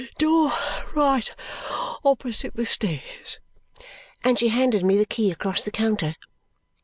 Door right opposite the stairs." And she handed me the key across the counter.